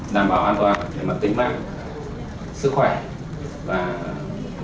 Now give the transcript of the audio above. đảm bảo an toàn để tính mạng sức khỏe và danh dựng nhân phẩm